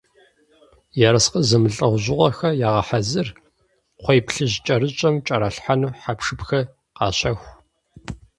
Ерыскъы зэмылӀэужьыгъуэхэр ягъэхьэзыр, кхъуейплъыжькӀэрыщӀэм кӀэралъхьэну хьэпшыпхэр къащэху.